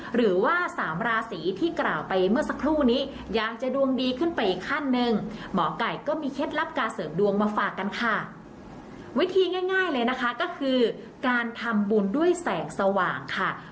หรือว่าสามราศรีที่กล่าวไปเมื่อสักครู่นี้อยากจะดวงดีขึ้นไปอีกขั้นหนึ่ง